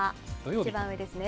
一番上ですね。